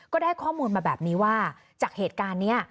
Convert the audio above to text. ก็ได้ข้อมูลมาแบบนี้ว่าจากเหตุการณ์นี้